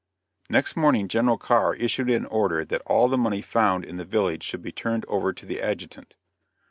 Next morning General Carr issued an order that all the money found in the village should be turned over to the adjutant.